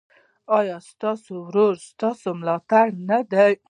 ایا ستاسو ورور ستاسو ملاتړ نه دی؟